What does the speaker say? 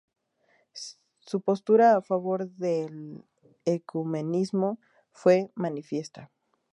Su postura a favor del ecumenismo fue manifiesta.